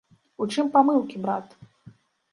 У чым памылкі, брат?